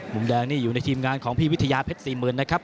มุมแดงนี่อยู่ในทีมงานของพี่วิทยาเพชร๔๐๐๐นะครับ